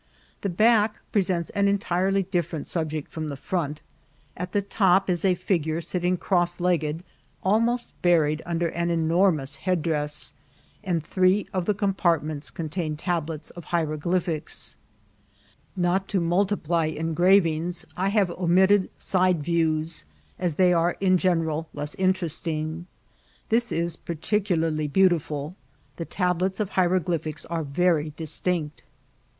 The back presents an entirely different subject from the front. At the top is a figure sitting cross legged, almost buried under an enormous headdress, and three of the compartments contain tablets of hieroglyphics. Not to multiply engravings, I have omitted side views, as they are, in general, less interesting. This is particularly beautiful. The tablets of hieroglyphics are very distinct. 1 l\ •! ."T .M •m '•..,», 1 "I ' s^ y x ,^^'•«'":/'.